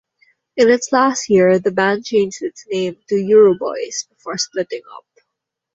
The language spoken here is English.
In its last year the band changed its name to Euroboys before splitting up.